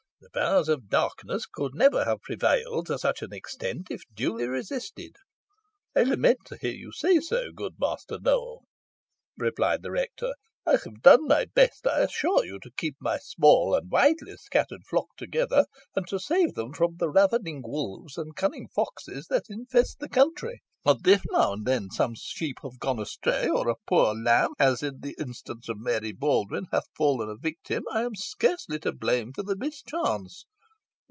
The powers of darkness could never have prevailed to such an extent if duly resisted." "I lament to hear you say so, good Master Nowell," replied the rector. "I have done my best, I assure you, to keep my small and widely scattered flock together, and to save them from the ravening wolves and cunning foxes that infest the country; and if now and then some sheep have gone astray, or a poor lamb, as in the instance of Mary Baldwyn, hath fallen a victim, I am scarcely to blame for the mischance.